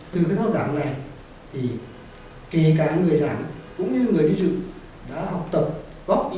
từ cái thao giảng này kể cả người giảng cũng như người đi dự đã học tập góp ý trao đổi với nhau